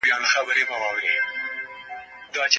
کلا ته د ننوتلو لاره ډېره تنګه او له دوړو ډکه وه.